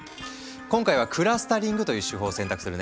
今回はクラスタリングという手法を選択するね。